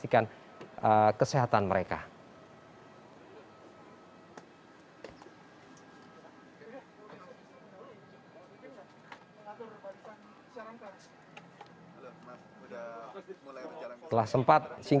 current una necklace ini dengan ternyata secara konflik developing prince